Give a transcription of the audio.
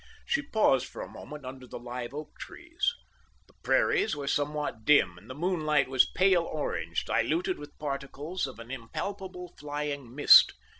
She paused for a moment under the live oak trees. The prairies were somewhat dim, and the moonlight was pale orange, diluted with particles of an impalpable, flying mist.